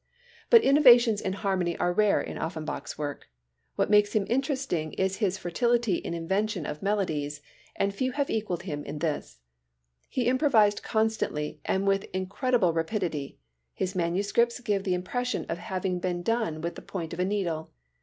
But innovations in harmony are rare in Offenbach's work. What makes him interesting is his fertility in invention of melodies and few have equaled him in this. He improvised constantly and with incredible rapidity. His manuscripts give the impression of having been done with the point of a needle.